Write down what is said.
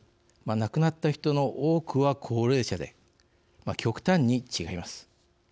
亡くなった人の多くは高齢者で極端に違います。